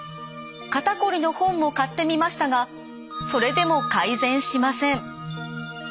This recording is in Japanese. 肩こりの本も買ってみましたがそれでも改善しません。